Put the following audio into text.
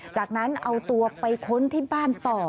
จากนั้นเอาตัวไปค้นที่บ้านต่อ